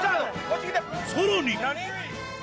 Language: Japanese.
さらに何？